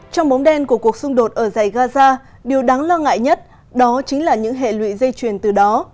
trong bóng đen của cuộc xung đột ở dãy gaza điều đáng lo ngại nhất đó chính là những hệ lụy dây chuyền từ đó